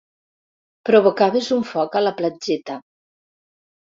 Provocaves un foc a la platgeta.